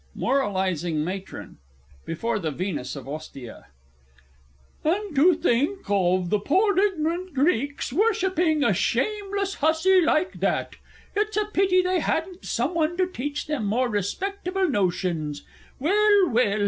MORALIZING MATRON (before the Venus of Ostia). And to think of the poor ignorant Greeks worshipping a shameless hussey like that! It's a pity they hadn't some one to teach them more respectable notions! Well, well!